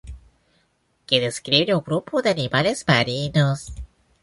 Que describe un grupo de animales marinos.